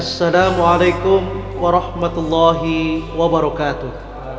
assalamualaikum warahmatullahi wabarakatuh